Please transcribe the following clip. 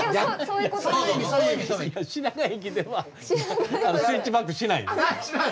いや品川駅ではスイッチバックしないです。